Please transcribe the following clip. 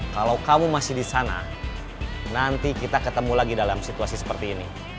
kalau kamu masih di sana nanti kita ketemu lagi dalam situasi seperti ini